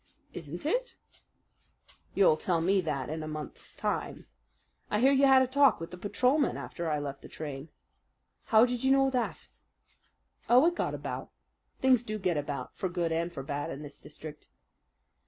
"Isn't it?" "You'll tell me that in a month's time. I hear you had a talk with the patrolmen after I left the train." "How did you know that?" "Oh, it got about things do get about for good and for bad in this district."